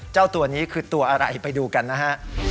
เจ้าตัวนี้คือตัวอะไรไปดูกันนะฮะ